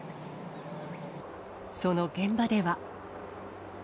その現場では。